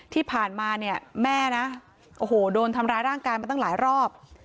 ที่ผ่านมาเนี่ยแม่นะโอ้โหโดนทำร้ายร่างกายมาตั้งหลายรอบ